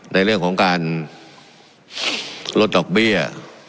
ในเรื่องของการลดดอกเบี้ย